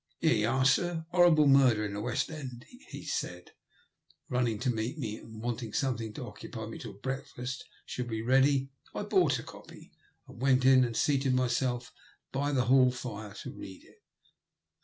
"'Ere yer are, sir; 'orrible murder in the West End/' he said, running to meet me; and, wanting something to occupy me until breakfast should be ready, I bought a copy and went in and seated myself by the hall fire to read it.